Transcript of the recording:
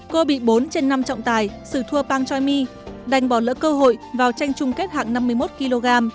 cô bị bốn trên năm trọng tài sự thua pang choi mi đành bỏ lỡ cơ hội vào tranh chung kết hạng năm mươi một kg